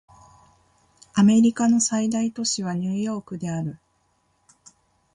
アメリカの最大都市はニューヨークである